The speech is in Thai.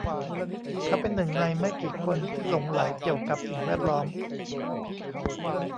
เขาเป็นหนึ่งในไม่กี่คนที่หลงใหลเกี่ยวกับสิ่งแวดล้อม